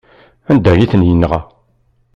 Anda ay ten-yenɣa?